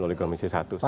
oleh komisi satu